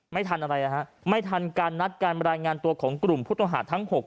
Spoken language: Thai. ไม่ทันอะไรนะฮะไม่ทันการนัดการบรรยายงานตัวของกลุ่มผู้ต้องหาทั้ง๖